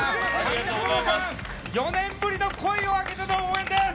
４年ぶりの声を上げての応援です！